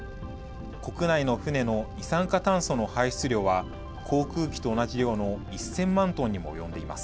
国内の船の二酸化炭素の排出量は、航空機と同じ量の１０００万トンにも及んでいます。